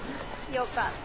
よかった！